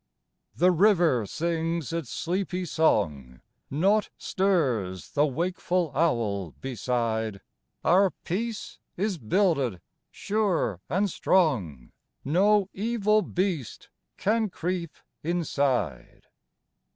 The river sings its sleepy song, Nought stirs the wakeful owl beside : Our peace is builded sure and strong : No evil beast can creep inside.